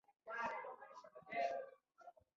د هغو کارګرانو لپاره چې ناغېړي یې کوله جزايي قوانین جوړ شول